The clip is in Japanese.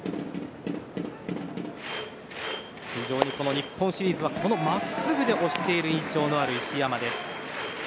日本シリーズは真っすぐで押している印象のある石山です。